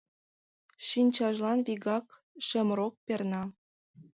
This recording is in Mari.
Шинчажлан вигак шемрок перна.